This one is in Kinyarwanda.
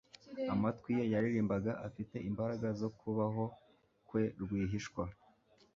Amatwi ye yaririmbaga afite imbaraga zo kubaho kwe rwihishwa